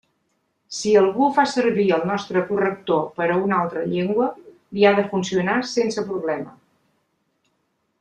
Si algú fa servir el nostre corrector per a una altra llengua, li ha de funcionar sense problema.